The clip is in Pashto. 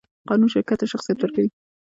قانون شرکت ته شخصیت ورکوي.